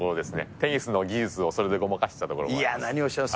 テニスの技術をそれでごまかしていや、何をおっしゃいます。